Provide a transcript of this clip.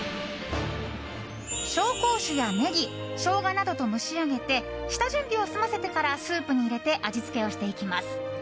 紹興酒やネギショウガなどと蒸し上げて下準備を済ませてからスープに入れて味付けをしていきます。